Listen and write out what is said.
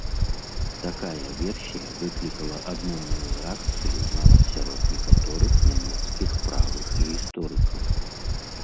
Такая версія выклікала адмоўную рэакцыю нават сярод некаторых нямецкіх правых гісторыкаў.